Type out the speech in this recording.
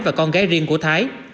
và con gái riêng của thái